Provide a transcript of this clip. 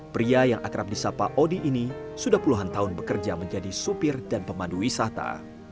pria yang akrab di sapa odi ini sudah puluhan tahun bekerja menjadi supir dan pemandu wisata